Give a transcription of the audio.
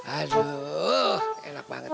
aduh enak banget